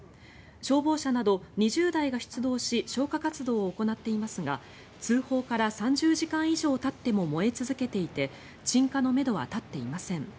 消防車など２０台が出動し消火活動を行っていますが通報から３０時間以上たっても燃え続けていて鎮火のめどは立っていません。